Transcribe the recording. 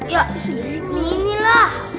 ya disini lah